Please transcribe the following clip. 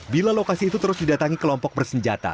bila lokasi itu terus didatangi kelompok bersenjata